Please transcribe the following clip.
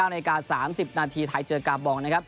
นาที๓๐นาทีไทยเจอกาบองนะครับ